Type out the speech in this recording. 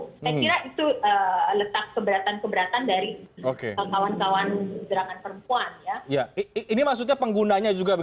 saya kira itu letak keberatan keberatan dari kawan kawan